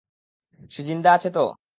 সে জিন্দা আছে তো?